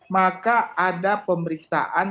maka ada pemeriksaan